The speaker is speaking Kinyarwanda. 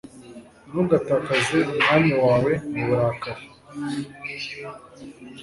ntugatakaze umwanya wawe mu burakari